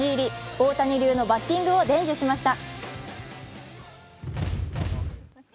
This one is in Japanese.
大谷流のバッティングを伝授しました。